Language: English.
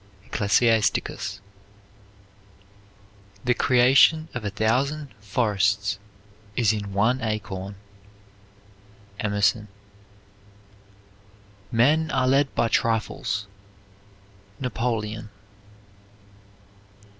ECCLESIASTICUS. The creation of a thousand forests is in one acorn. EMERSON. Men are led by trifles. NAPOLEON.